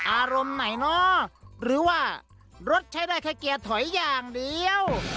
อารมณ์ไหนเนาะหรือว่ารถใช้ได้แค่เกียร์ถอยอย่างเดียว